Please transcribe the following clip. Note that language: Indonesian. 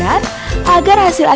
agar hasil artinya bisa dikembangkan